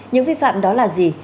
những vi phạm đó là gì